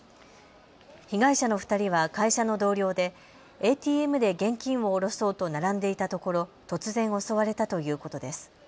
被害者の２人は会社の同僚でＡＴＭで現金を下ろそうと並んでいたところ突然、襲われたということです。